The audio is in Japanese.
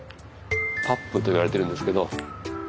パップといわれているんですけど。